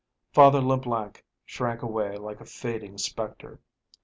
Father Leblanc shrank away like a fading spectre.